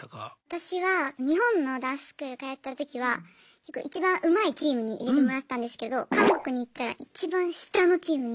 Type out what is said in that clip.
私は日本のダンススクール通ってたときはいちばんうまいチームに入れてもらってたんですけど韓国に行ったらいちばん下のチームに入れられました。